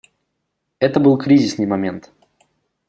Это был кризисный момент.